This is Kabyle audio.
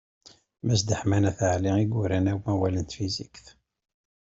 Mass Deḥman At Ɛli i yuran amawal n tfizikt.